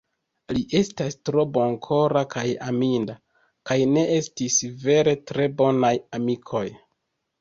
Li estas tro bonkora kaj aminda; kaj ne estis vere tre bonaj amikoj.